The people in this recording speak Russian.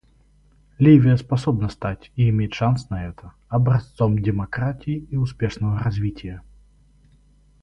Ливия способна стать — и имеет шанс на это — образцом демократии и успешного развития.